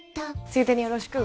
ついでによろしく！